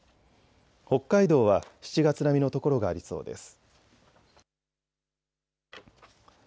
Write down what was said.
北海道は７月並みの所がありそうです。